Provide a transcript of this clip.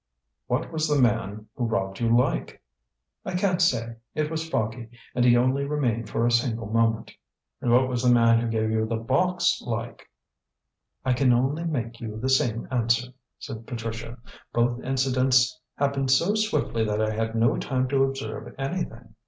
"What was the man who robbed you like?" "I can't say. It was foggy and he only remained for a single moment." "And what was the man who gave you the box like?" "I can only make you the same answer," said Patricia. "Both incidents happened so swiftly that I had no time to observe anything.